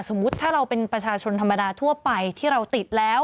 สมมุติถ้าเราเป็นประชาชนธรรมดาทั่วไปที่เราติดแล้ว